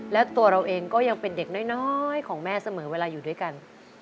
และตัวเราเองก็ยังเป็นเด็กน้อยของแม่เสมอเวลาอยู่ด้วยกัน